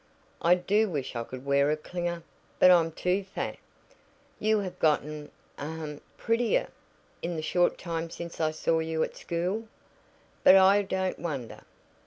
I do wish I could wear a 'clinger,' but I'm too fat. You have gotten ahem prettier in the short time since I saw you at school. But I don't wonder.